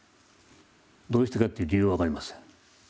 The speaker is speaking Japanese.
どうしてかっていう理由は分かりません。